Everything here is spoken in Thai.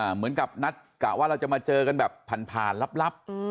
เหมือนกับนัดกะว่าเราจะมาเจอกันแบบผ่านลับ